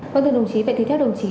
vậy thì theo đồng chí